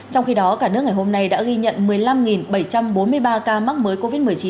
trong khi đó cả nước ngày hôm nay đã ghi nhận một mươi năm bảy trăm bốn mươi ba ca mắc mới covid một mươi chín